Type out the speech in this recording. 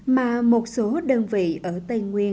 mà một số đơn vị ở tây nguyên